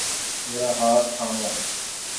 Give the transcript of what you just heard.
میرا ہاتھ تھامو